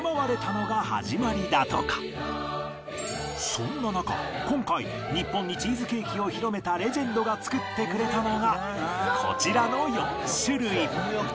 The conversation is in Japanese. そんな中日本にチーズケーキを広めたレジェンドが作ってくれたのがこちらの４種類